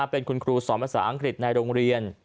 เป็นคุณครูสอนภาษาอังกฤษในโรงเรียน